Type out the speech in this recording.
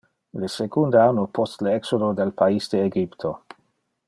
Le secunde anno post le exodo del pais de Egypto.